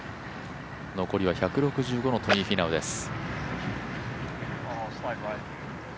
残りは１６５のトニー・フィナウです。